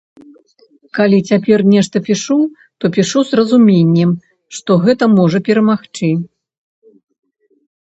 Калі цяпер нешта пішу, то пішу з разуменнем, што гэта можа перамагчы.